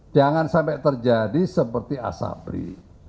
jangan sampai terjadi seperti asabri